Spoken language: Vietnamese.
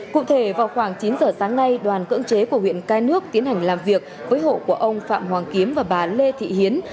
cụ thể vào khoảng chín giờ sáng nay đoàn cưỡng chế của huyện cái nước tiến hành làm việc với hộ của ông phạm hoàng kiếm và bà lê thị hiến